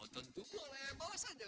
tentu boleh bawa saja